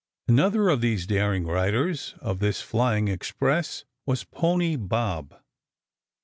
Another of these daring riders of this flying express was Pony Bob.